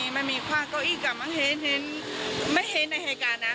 มันมีคว่างเก้าอี้กลับมาเห็นไม่เห็นในเหตุการณ์นะ